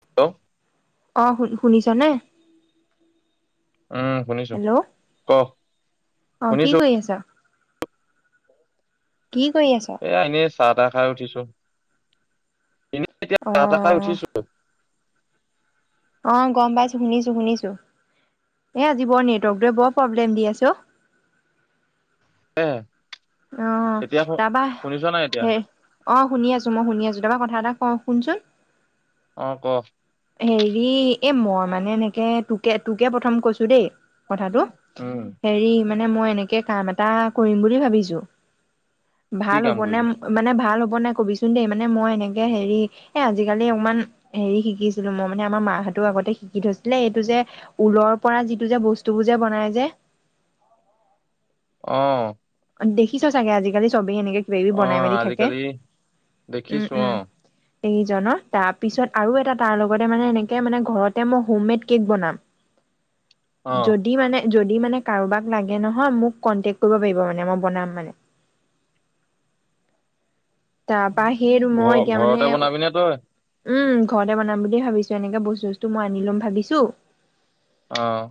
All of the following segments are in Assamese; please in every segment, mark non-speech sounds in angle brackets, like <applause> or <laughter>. হেল্লো। অ শুন শুনিছ নে? ওম শুনিছো, ক অ কি শুনিছো। কৰি আছ কি কৰি আছ? এয়া এনেই চাহ তাহ খাই উঠিছো। এনেই এতিয়া অ চাহ তাহ খাই উঠিছো। অঁ গম পাইছোঁ শুনিছোঁ শুনিছোঁ, এই আজি বৰ নেটৱৰ্কটোৱে বৰ প্ৰব্লেম দি আছে অ। । <inaudible> অ তাৰ পৰা নাই এতিয়া হে অ শুনি আছো। মই শুনি আছো। তাৰ পৰা কথা এটা। অ শুনচোন। অ ক হেৰি এ মই মানে এনেকে, তোকে তোকে প্ৰথম কৈছো দেই। কথাটো। উম <unintelligible> কৰিম বুলি ভাবিছো।। <inaudible> কি ভাল কাম হ'ব নে? কৰিবি মানে ভাল বনাই কবিচোন দেই। মানে মই এনেকে হেৰি এ আজিকালি অকমান হেৰি শিকিছিলো, মই মানে আমাৰ মাহঁতো আগতে শিকি থৈছিলে, এইটো যে ঊলৰ পৰা যিটো যে বস্তুবোৰ যে বনাই যে। অ দেখিছ চাগে? আজিকালি চব <unintelligible> অ বনাই মেলি থাকে আজিকালি উ দেখিছো উ অ এইজনৰ তাৰপিছত আৰু এটা তাৰ লগতে মানে সেনেকে মানে ঘৰতে মই হোম মেড কেক বনাম। অ যদি মানে যদি মানে কাৰোবাক লাগে নহয়, মোক কণ্টেক্ট কৰিব পাৰিব মানে। মই বনাম মানে। তাৰপা সেইটো মই ঘ এতিয়া মানে ঘৰতে বনাবি নে তই? উম ঘৰতে বনাম বুলিয়ে ভাবিছো, এনেকে বস্তু বস্তু মই আনি লম ভাবিছো। অহ।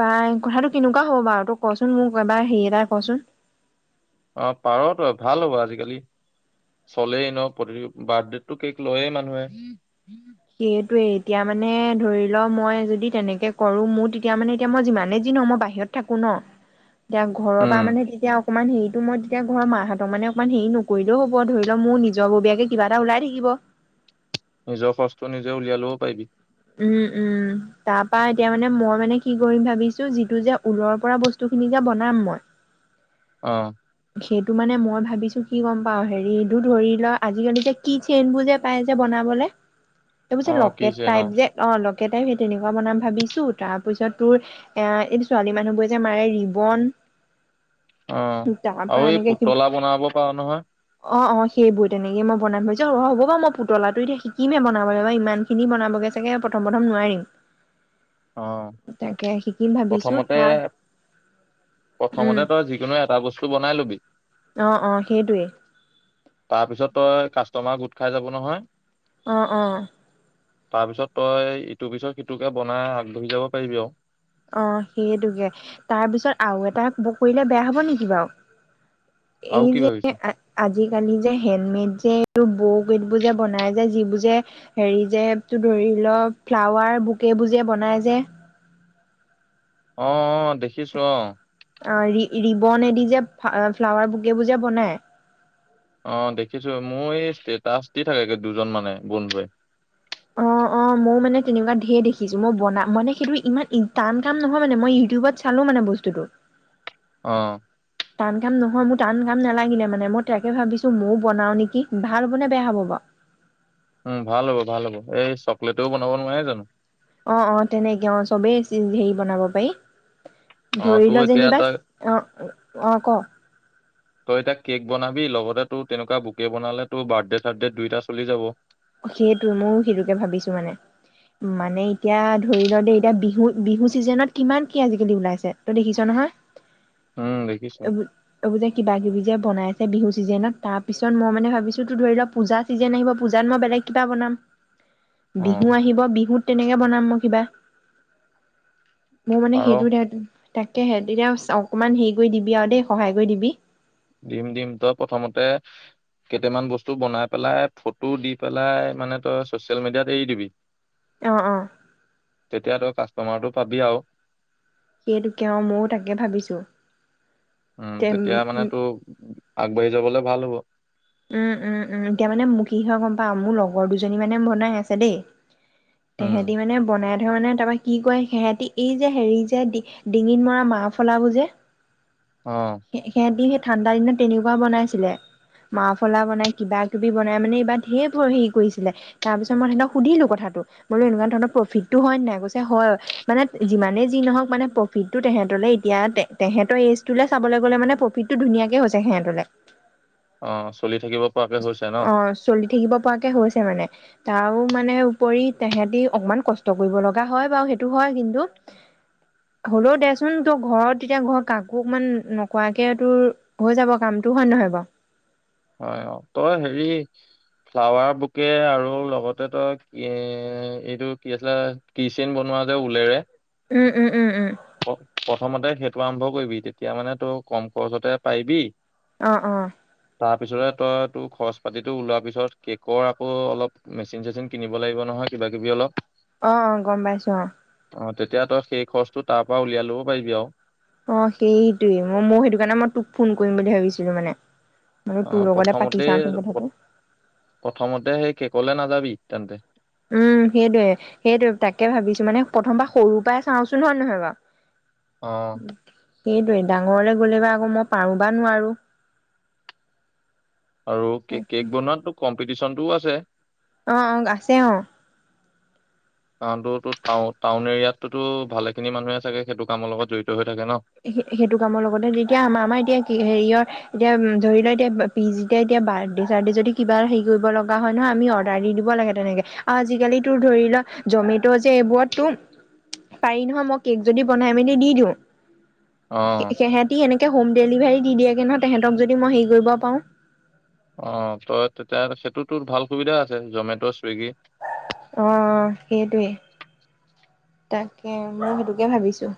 পাই কথাটো কেনেকুৱা হ'ব বাও? তোক কচোন মোক এবাৰ হেৰি এটা কচোন? অ পাৰ তই, ভাল হ'ব আজিকালি। চলে ন প্ৰতি বাৰ্থডো কেক লয়ে মানুহে। সেইটোৱেই। এতিয়া মানে ধৰি ল, মই যদি তেনেকে কৰো, মোৰ তেতিয়া মানে এতিয়া মই যিমানে যি ন মই বাহিৰত থাকো ন, এতিয়া ঘৰৰ পৰা উম মানে তেতিয়া অকণমান হেৰিতটো মই তেতিয়া ঘৰৰ মাহঁতক মানে অকমান হেৰি নকৰিলেও হব, ধৰি ল মোৰ নিজৰ ববীয়াকে কিবা এটা ওলাই থাকিব। নিজৰ খচ টো নিজে উলিয়াই লব পাৰিবি উম উম তাৰ পৰা এতিয়া মানে মই মানে কি কৰিম ভাবিছো, যিটো যে ঊলৰ পৰা বস্তুখিনি যে বনাম মই। অহ। সেইটো মানে মই ভাবিছো কি গম পাও হেৰিটো ধৰি ল আজিকালি যে কি চেইনবোৰ যে পাই যে বনাবলে এই অ লকেট কিছে ন টাইপ যে অ টাই সেই তেনেকুৱা বনাম ভাবিছো তাৰ পিছত তোৰ এ এইটো ছোৱালী মানুহবোৰে যে মাৰে ৰিবন অ তাৰপা আৰু এই এনেকে পুতলা বনাব পাৰো নহয় অ অ সেইবোৰ তেনেকে মই বনাম ভাবছো অ হ'ব বাৰু মই পুতলাটো এতিয়া শিকিমে বনাবলৈ বা ইমান খিনি বনাবগে চাগে প্ৰথম প্ৰথম নোৱাৰিম অ তাকে শিকিম ভাবিছো প্ৰথমতে তাক উম প্ৰথমতে তই যিকোনো এটা বস্তু বনাই ল বি অ অ সেইটোৱেই তাৰপিছত তই কাষ্টমাৰ গোট খাই যাব নহয় অহ অ তাৰ পিছত তই ইটোৰ পিছত সিটোকে বনাই তুমি যাব পাৰিবি আৰু অ সেইটোকে তাৰ পিছত আৰু এটা ব কৰিলে বেয়া হব নেকি বাৰু আৰু এই কি ভাবিছ? যে অ', আজিকালি যে হেণ্ডমেড যে এই বুক এইবোৰ যে বনাই য যিবোৰ যে হেৰি যেটো ধৰি লও ফ্লাৱাৰ বুক এইবোৰ যে বনাই যে অ অ দেখিছো অহ অৰি ৰিবন এদি যে ফ্লাৱাৰ বকেবোৰ যে বনাই অ দেখিছো মোৰ এই ষ্টেটাচ দি থাকে দুজন মানে বন্ধে অ অ মইও মানে তেনেকুৱা ধঢেৰ দেখিছো মই বন মানে সেইটো ইমান টান কাম নহয় মানে মই ইউটিউবত চালো মানে বস্তুটো অ টান কাম নহয়, মোৰ টান কাম নালাগিলে মানে, মই তাকে ভাবিছো ময়ো বনাও নেকি! ভাল হ'ব নে বেয়া হ'ব বাৰু? উম, ভাল হ'ব, ভাল হ'ব, এই চকলেটও বনাব নোৱাৰে জানো? অ' অ' তেনেকে অ', চবেই হেৰি বনাব পাৰি। অ', ধৰি তোৰ ল, এতিয়া যেনিবা, তই অ' অঁ, ক তই এতিয়া কেক বনাবি লগতে তোৰ তেনেকুৱা বুকে বনালে তোৰ বাৰ্থডে চাৰ্থডে দুইটা চলি যাব। সেইটোৱে মই সেইটোকে ভাবিছো মানে, মানে এতিয়া ধৰি ল দেই, এতিয়া বিহু, বিহু চিজনত কিমান কি আজিকালি ওলাইছে, তই দেখিছ নহয়? উম, দেখিছো এইবোৰ, এইবোৰ যে কিবা কিবি যে বনাই আছে। মানে বিহু চিজনত তাৰ পিছত মই মানে ভাবিছোঁ তো ধৰি লোৱা, পূজা চিজন আহিব পূজা জান মই বেলেগ কিবা বনাম। বিহু অ', আহিব বিহুত। তেনেকে বনাম মই কিবা। মোৰ মানে পাৰ সেইটোও তাকেহে, তেতিয়া অকমান হেৰি কৰি দিবি আৰু দেই, সহায় কৰি দিবি। দিম দিম, তই প্ৰথমতে কেইটামান বস্তু বনাই পেলাই, ফটো দি পেলাই, মানে তই চচিয়েল মিডিয়াত এৰি দিবি। অ অ তেতিয়াতো কা তোমাৰো পাবি আৰু সেইটোকে অঁ ময়ো তাকে ভাবিছো। উম তেতিয়া মানে তো আগবাঢ়ি যাবলে ভাল হ'ব উম উম উম এতিয়া মানে মোক কি হয় গম পাওঁ মোৰ লগৰ দুজনী মানে বনাই আছে দেই তেহেতি উম মানে বনাই। ধৰণে তাৰপৰা কি কয় সিহঁতি এই যে হেৰি যে ডিঙিত মৰা মাহ ফলাবোৰ যে অ সিহঁতি সে ঠাণ্ডা দিনত তেনেকুৱা বনাইছিলে মাফলা বনাই কিবা কিবি বনাই মানে এইবাৰ ধেৰ হেৰি কৰিছিলে তাৰপিছত মই সিহঁতক সুধিলো কথাটো বোলো এনেকুৱা ধৰণৰ প্ৰফিটটো হয় ন নাই কৈছে হয় মানে যিমানেই যি নহওক মানে প্ৰফিটটো তেহেঁতলে এতিয়া তেহেঁতৰ এইজটো চাবলৈ গলে মানে প্ৰফিটটো ধুনীয়াকে হৈছে সিহঁতলে অঁ চলি থাকিব পৰাকে হৈছে ন অঁ চলি থাকিব পৰাকে হৈছে মানে, তাৰো মানে উপৰি তহেতি অকমান কষ্ট কৰিব লগা হয় বাৰু সেইটো হয় কিন্তু হলেও দেচোন তোৰ ঘৰত তেতিয়া ঘৰত কাকো অকমান নোকোৱাকে তোৰ হৈ যাব কামতটো হয় নহয় বাৰু হয় অঁ তই হেৰি ফ্লাৱাৰ বুকে আৰু লগতে তই কি এইটো কি আছিলে কিচেন বনোৱা যে ওলেৰে উম উম উম উম। প্ৰথমতে সেইটো আৰম্ভ কৰিবি তেতিয়া মানে তই কম খৰচতে পাৰিবি। অ অ তাৰপিছতে তই, তো খৰচ পাতিতটো ওলোৱা পিছত কেকৰ আকৌ অলপ মেচিন চেচিন কিনিব লাগিব নহয় কিবা কিবি অলপ অঁ অঁ গম পাইছো অঁ। অঁ তেতিয়া তই সেই খৰচ, তো তাৰ পৰা উলিয়াই লব পাৰিবি আৰু অঁ সেইটোৱে মই মই সেইটো কাৰণে মই তোক ফোন কৰিম বুলি ভাবিছিলো মানে মানে অঁ তোৰ লগতে পাতি প্ৰথমতে চাওঁচোন কথাটো প্ৰথমতে সেই কেক লে নাযাবি। তেন্তে উম সেইটোৱে সেইটোৱে তাকে ভাবিছো মানে প্ৰথমবাৰ সৰু পৰাই চাওঁচোন হয় নহয় বাৰু অঁ সেইটোৱে ডাঙৰলৈ গ'লে বা আকৌ মই পাৰো বা নোৱাৰো। আৰু কেক তাকে কেক বনোৱাটো কম পিটিচনটোও আছে অঁ অঁ আছে অঁ। কাৰণটা টাউন এৰিয়াতোতো ভালে খিনি মানুহে চাগে সেইটো কামৰ লগত জড়িত হৈ থ সেইটো কামৰ লগতে যেতিয়া আমাৰ আমাৰ এতিয়া কি হেৰিয়ৰ এতিয়া ধৰি ল এতিয়া পিজিতে যেতিয়া এতিয়া বাৰ্থডে চাৰডে যদি কিবা হেৰি কৰিব লগা হয় নহয় আমি অৰ্ডাৰ দি দিব লাগে তেনেকে আৰু আজিকালি তোৰ ধৰি লোৱা জমেটো যে এইবোৰততো পাৰি নহয় মই কেক যদি বনাই মেলি দি দিওঁ অ সেহঁতি এনেকে হ'ম ডেলিভাৰি। দি দিয়েগে নহ নহয় তেহঁতক যদি মই সেই, কৰিব পাওঁ। অঁ তই তেতিয়া সেইটোতো ভাল সুবিধা আছে জমেট' চুইগি অঁ সেইটোৱে। তাকে মই সেইটোকে ভাবিছোঁ।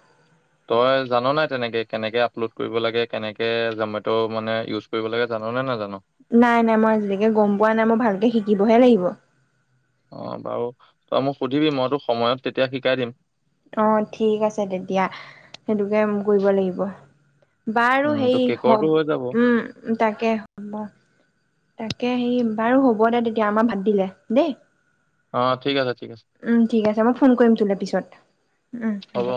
তই জান নাই তেনেকে কেনেকে আপলোড কৰিব লাগে কেনেকে জমেট' মানে ইউজ কৰিব লাগে, জাননে নাজান? নাই নাই মই আজিলৈকে গম পোৱা নাই মই ভালকে শিকো। অ বাৰু ত মোক সুধিবি মইতো সময়ত তেতিয়া শিকাই দিম অ ঠিক আছে তেতিয়া সেইটোকে কৰিব লাগিব বাৰু উম সেই তো হ কেকৰটো হৈ যাব উম তাকে হ'ব তাকে সেই বাৰু হ'ব দে তেতিয়া আমাৰ ভাত দিলে দেই। অ ঠিক আছে ঠিক আছে উম ঠিক আছে মই ফোন কৰিম তোলে পিছত উম হ'ব উম